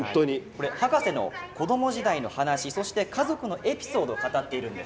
これ博士の子ども時代の話そして家族のエピソードを語っているんです。